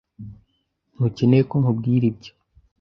Ntukeneye ko nkubwira ibyo.